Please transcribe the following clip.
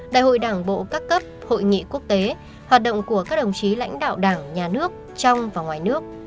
đại hội đảng bộ các cấp hội nghị quốc tế hoạt động của các đồng chí lãnh đạo đảng nhà nước trong và ngoài nước